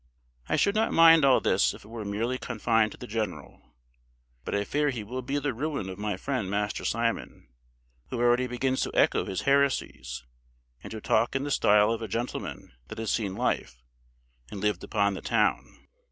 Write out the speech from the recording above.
I should not mind all this if it were merely confined to the general; but I fear he will be the ruin of my friend, Master Simon, who already begins to echo his heresies, and to talk in the style of a gentleman that has seen life, and lived upon the town.